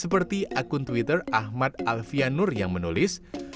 seperti akun twitter ahmad alfianur yang menulis